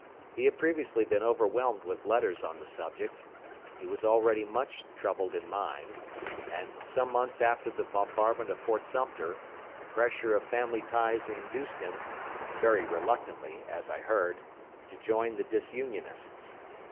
He had previously been overwhelmed with letters on the subject. He was already much troubled in mind; and some months after the bombardment of Fort Sumter the pressure of family ties induced him (very reluctantly, as I heard) to join the Disunionists.